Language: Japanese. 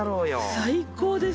最高です。